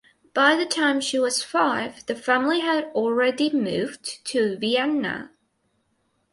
By the time she was five the family had already moved to Vienna.